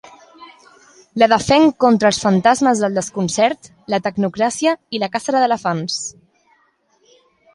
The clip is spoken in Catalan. La defenc contra els fantasmes del desconcert, la tecnocràcia i la cacera d'elefants.